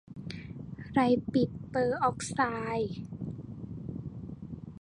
ไลปิดเปอร์อ๊อกไซด์